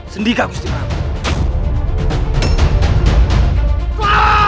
sendirikah gusti pak